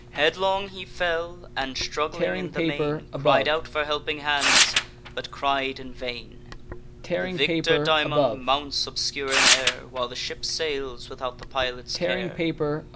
Headlong he fell, and, struggling in the main, Cried out for helping hands, but cried in vain. The victor daemon mounts obscure in air, While the ship sails without the pilot's care.